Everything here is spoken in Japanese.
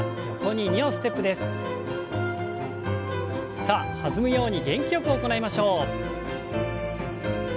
さあ弾むように元気よく行いましょう。